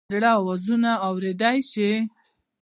د زړه آوازونه اوریدلئ شې؟